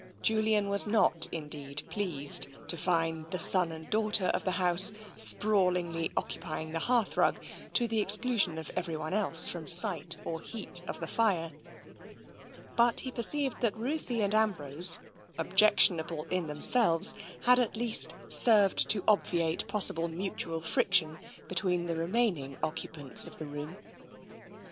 Julian was not, indeed, pleased to find the son and daughter of the house sprawlingly occupying the hearthrug, to the exclusion of everyone else from sight or heat of the fire, but he perceived that Ruthie and Ambrose, objectionable in themselves, had at least served to obviate possible mutual friction between the remaining occupants of the room.